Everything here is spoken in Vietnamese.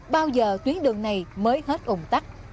bao giờ tuyến đường này mới hết ủng tắc